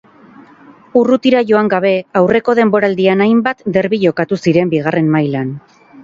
Urrutira joan gabe aurreko denboraldian hainbat derbi jokatu ziren bigarren mailan.